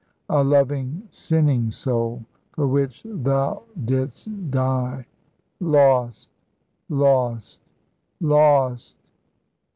A loving, sinning soul for which Thou didst die, lost lost lost!"